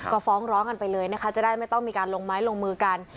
ก็ฟ้องร้องกันไปเลยนะคะจะได้ไม่ต้องมีการลงไม้ลงมือกัน